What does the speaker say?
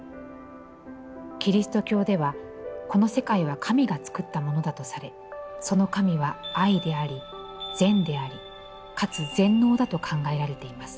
キリスト教では、この世界は神が造ったものだとされ、その神は『愛』であり、『善』であり、かつ『全能』だと考えられています。